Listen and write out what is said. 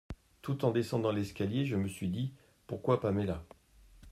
Tout en descendant l’escalier, je me suis dit Pourquoi Paméla…